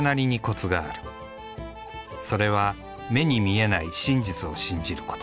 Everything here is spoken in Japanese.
それは目に見えない真実を信じること。